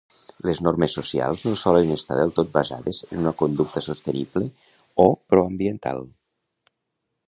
Les normes socials no solen estar del tot basades en una conducta sostenible o pro-ambiental.